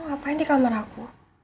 apaan di kamar aku